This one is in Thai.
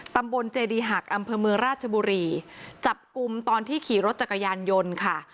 ตำบลเจดีหักอำเภอเมืองราชบุรีจับกลุ่มตอนที่ขี่รถจักรยานยนต์ค่ะ